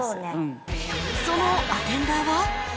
そのアテンダーは？